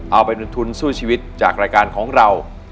เอาเป็นทุนสู้ชีวิตจากรายการของเรา